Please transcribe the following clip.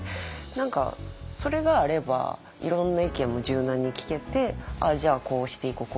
何かそれがあればいろんな意見も柔軟に聞けて「ああじゃあこうしていこう。